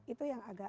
itu yang agak